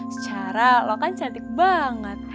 secara lo kan cantik banget